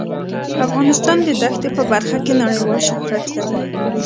افغانستان د دښتې په برخه کې نړیوال شهرت لري.